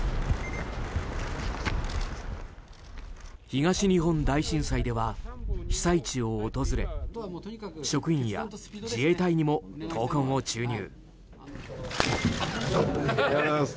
東日本大震災では被災地を訪れ職員や自衛隊にも闘魂を注入。